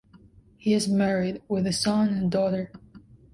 He is married, with a son and a daughter.